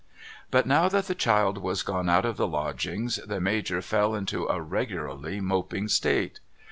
But now that the child was gone out of the Lodgings the Major fell into a regularly moping state.